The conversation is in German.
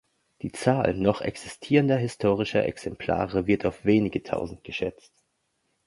Die Zahl noch existierender historischer Exemplare wird auf wenige Tausend geschätzt.